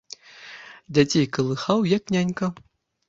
Дзяцей калыхаў, як нянька.